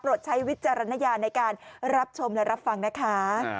ใช้วิจารณญาณในการรับชมและรับฟังนะคะ